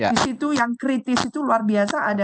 di situ yang kritis itu luar biasa ada